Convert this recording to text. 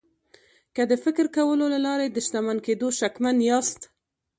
که د فکر کولو له لارې د شتمن کېدو شکمن یاست